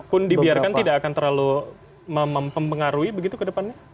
pun dibiarkan tidak akan terlalu mempengaruhi begitu ke depannya